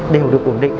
đều được ổn định